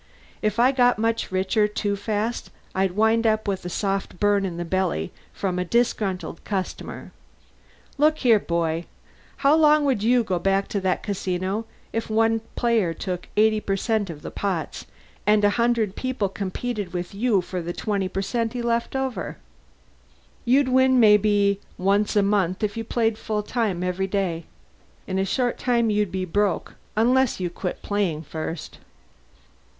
"If I got much richer too fast I'd wind up with a soft burn in the belly from a disgruntled customer. Look here, boy: how long would you go back to that casino if one player took 80% of the pots, and a hundred people competed with you for the 20% he left over? You'd win maybe once a month, if you played full time every day. In a short time you'd be broke, unless you quit playing first.